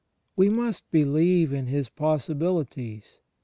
We must believe in his possibilities.